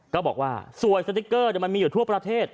ก็บอกว่าสวยสติ๊กเกอร์มันมีอยู่ทั่วประเทศ